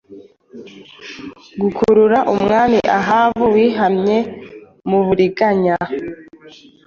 Gukurura Umwami Ahabu wihimye muburiganya